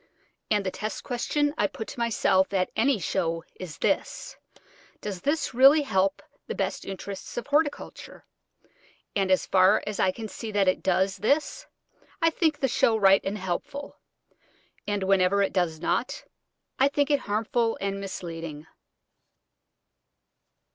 And the test question I put to myself at any show is this, Does this really help the best interests of horticulture? And as far as I can see that it does this, I think the show right and helpful; and whenever it does not, I think it harmful and misleading.